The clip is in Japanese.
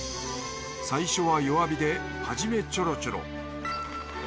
最初は弱火ではじめチョロチョロ。